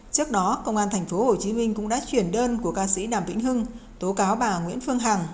trước đó công an tp hcm cũng đã chuyển đơn của ca sĩ đàm vĩnh hưng tố cáo bà nguyễn phương hằng